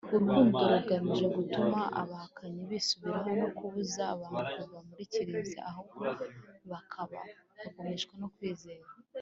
Urukundo rugamije gutuma abahakanyi bisubiraho no kubuza abantu kuva muri kiliziya ahubwo bakahagumishwa no kwizera.